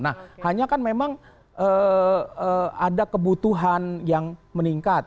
nah hanya kan memang ada kebutuhan yang meningkat